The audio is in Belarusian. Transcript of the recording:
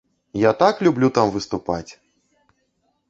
Я так люблю там выступаць!